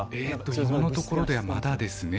今のところではまだですね。